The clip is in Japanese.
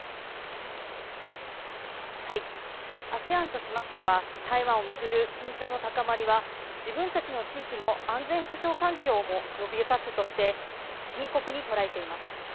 ＡＳＥＡＮとしましては台湾を巡る緊張の高まりは自分たちの地域の安全保障環境も脅かすとして深刻に捉えています。